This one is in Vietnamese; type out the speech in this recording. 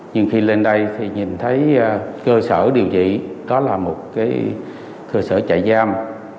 nhưng khi lên đây thì nhìn thấy cơ sở điều trị đó là một cơ sở trại giam